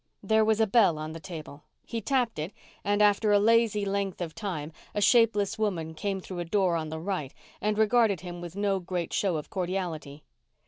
There was a bell on the table. He tapped it and, after a lazy length of time, a shapeless woman came through a door on the right and regarded him with no great show of cordiality.